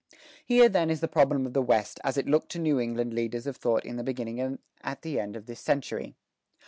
Here, then, is the problem of the West, as it looked to New England leaders of thought in the beginning and at the end of this century.